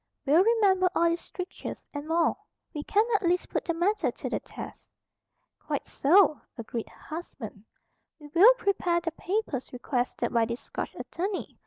"We'll remember all these strictures, and more. We can at least put the matter to the test." "Quite so," agreed her husband. "We will prepare the papers requested by this Scotch attorney.